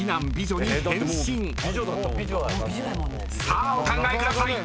［さあお考えください］